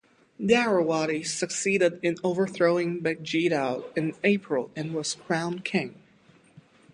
Tharrawaddy succeeded in overthrowing Bagyidaw in April and was crowned king.